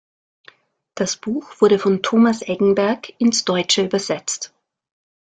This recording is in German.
Das Buch wurde von Thomas Eggenberg ins Deutsche übersetzt.